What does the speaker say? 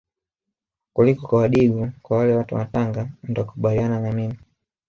kuliko kwa wadigo kwa wale watu wa Tanga mtakubaliana na mimi